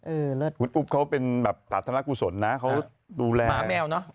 คุณอุ๊บเขาเป็นแบบสาธารณกุศลนะเขาดูแลหมาแมวเนอะ